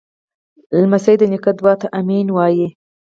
لمسی د نیکه دعا ته “امین” وایي.